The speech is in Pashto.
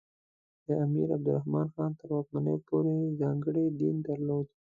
د امیر عبدالرحمان خان تر واکمنۍ پورې ځانګړی دین درلود.